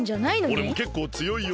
おれもけっこうつよいよ。